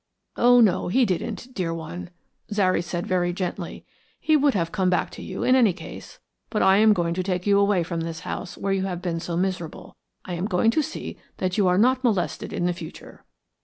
"Oh, no, he didn't, dear one," Zary said very gently. "He would have come back to you in any case. But I am going to take you away from this house where you have been so miserable; I am going to see that you are not molested in the future."